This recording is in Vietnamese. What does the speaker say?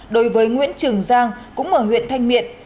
đối với nguyễn trường giang cũng ở huyện thanh miện